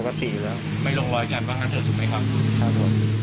ครับครับ